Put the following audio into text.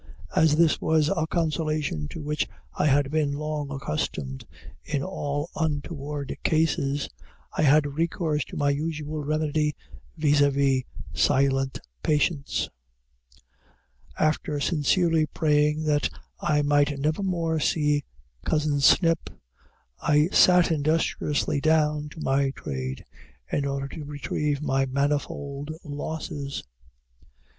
As this was a consolation to which I had been long accustomed in all untoward cases, I had recourse to my usual remedy, viz., silent patience. After sincerely praying that I might never more see cousin Snip, I sat industriously down to my trade, in order to retrieve my manifold losses.